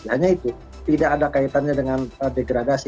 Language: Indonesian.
hanya itu tidak ada kaitannya dengan degradasi